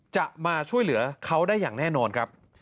จะมาช่วยเหลือเขาได้อย่างแน่นอนครับ